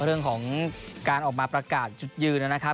เรื่องของการออกมาประกาศจุดยืนนะครับ